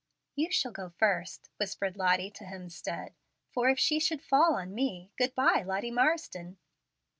"You shall go first," whispered Lottie to Hemstead, "for if she should fall on me, good by, Lottie Marsden."